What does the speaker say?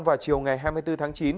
vào chiều ngày hai mươi bốn tháng chín